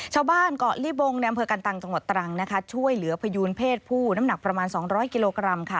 เกาะลิบงในอำเภอกันตังจังหวัดตรังนะคะช่วยเหลือพยูนเพศผู้น้ำหนักประมาณ๒๐๐กิโลกรัมค่ะ